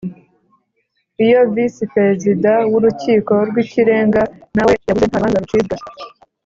Iyo Visi Perezida w’Urukiko rw’Ikirenga na we yabuze nta rubanza rucibwa